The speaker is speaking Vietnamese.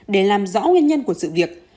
để làm rõ nguyên nhân của sự việc